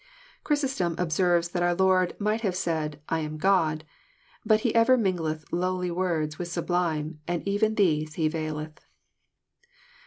Chrysostom observes that our Lord ^* might have said, I am God. But He ever mingleth lowly words with sublime, and even these He veileth."